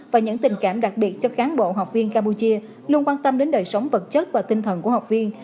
và những tình cảm đặc biệt cho cán bộ học viên campuchia luôn quan tâm đến đời sống vật chất và tinh thần của học viên